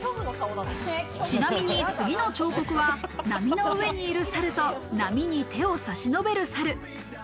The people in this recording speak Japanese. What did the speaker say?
ちなみに次の彫刻は波の上にいる猿と波に手を差し伸べる猿。